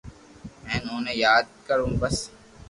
ھين اوني ياد ڪرو بس